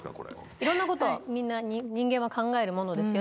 いろんなことみんな人間は考えるものですよね。